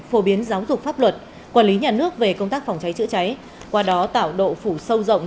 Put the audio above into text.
phổ biến giáo dục pháp luật quản lý nhà nước về công tác phòng cháy chữa cháy qua đó tạo độ phủ sâu rộng